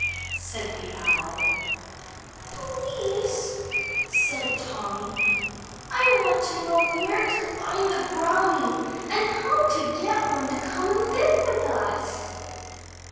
said the Owl. "Please," said Tommy, "I want to know where to find the brownies, and how to get one to come and live with us."